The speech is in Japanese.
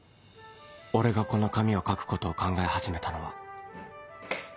俺がこの紙を書くことを考え始めたのは